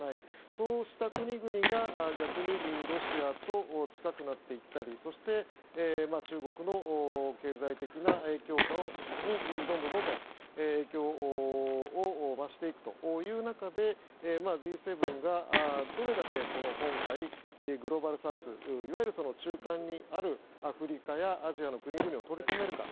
そうした国々が逆にロシアと近くなっていったりそして、中国の経済的な影響をどんどん増していく中でどれだけ今回、グローバルサウスいわゆる中間にあるアフリカやアジアの国々を取り込めるか。